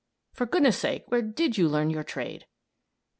"For goodness sake, where did you learn your trade?"